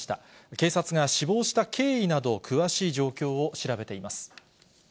警察が死亡した経緯など、詳しい状況を調べています。